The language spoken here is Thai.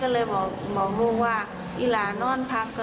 ก็บอกแม่อย่างนี้แล้วทีนี้แม่ก็เลยบอกลูกว่า